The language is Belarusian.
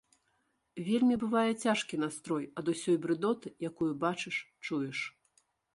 Вельмі бывае цяжкі настрой ад усёй брыдоты, якую бачыш, чуеш.